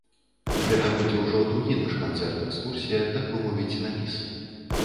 Гэта будзе ўжо другі наш канцэрт-экскурсія, так бы мовіць, на біс.